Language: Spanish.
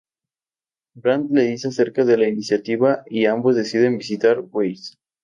Brant le dice acerca de la iniciativa y ambos deciden visitar Weiss.